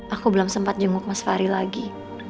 aku belum sempat jenguk mas fahri lagi